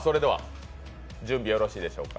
準備よろしいでしょうか。